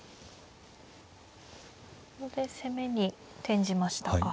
ここで攻めに転じましたか。